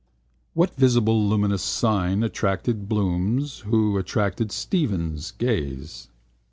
What visible luminous sign attracted Bloom's, who attracted Stephen's, gaze?